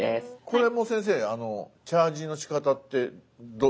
これも先生チャージのしかたってどうなんですか？